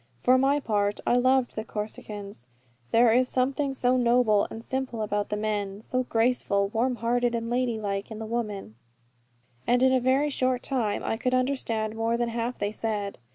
For my part, I loved the Corsicans; there is something so noble and simple about the men, so graceful, warm hearted, and lady like in the women; and in a very short time I could understand more than half they said.